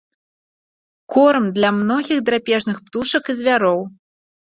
Корм для многіх драпежных птушак і звяроў.